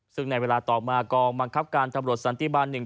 ซึ่งในเวลาต่อมากองบังคับการตำรวจสันติบาลหนึ่ง